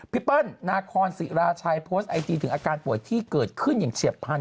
เปิ้ลนาคอนศิราชัยโพสต์ไอจีถึงอาการป่วยที่เกิดขึ้นอย่างเฉียบพันธ